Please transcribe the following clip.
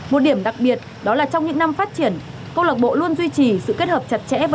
một điểm đặc biệt đó là trong những năm phát triển cơ lộ bộ luôn duy trì sự kết hợp chặt chẽ